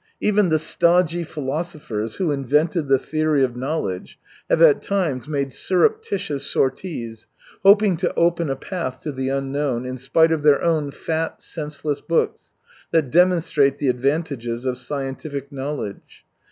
Even the stodgy philosophers who invented the theory of knowledge have at times made surreptitious sortieSj hoping to open a path to the unknown, in spite of their own fat, senseless books that demonstrate the advan tages of scientific knowledge.